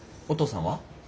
お父さんは？